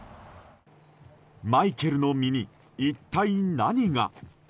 マイケルの身に一体何が？